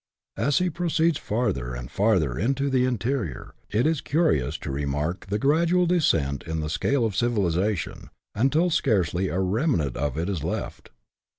As he proceeds farther and farther into the interior, it is curious to remark the gradual descent in the scale of civilization, until scarcely a remnant of it is left.